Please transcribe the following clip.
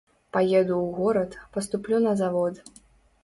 Паеду ў горад, паступлю на завод.